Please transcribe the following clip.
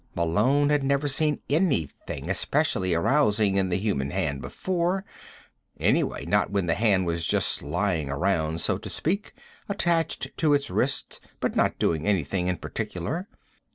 Malone had never seen anything especially arousing in the human hand before anyway, not when the hand was just lying around, so to speak, attached to its wrist but not doing anything in particular.